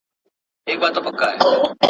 چای فشار او اضطراب کموي.